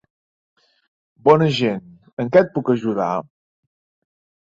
Bona gent. En què et puc ajudar?